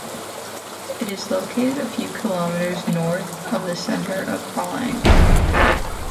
It is located a few kilometres north of the centre of Rollag.